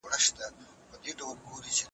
هغه د بېځايه کوچ مخنيوی کاوه.